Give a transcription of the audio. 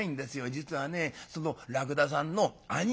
実はねそのらくださんの兄貴